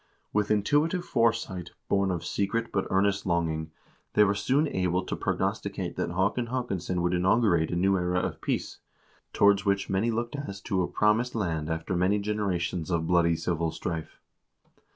With intuitive foresight, born of secret but earnest longing, they were soon able to prognosticate that Haakon Haakons son would inaugurate a new era of peace, towards which many looked as to a promised land after many generations of bloody civil strife.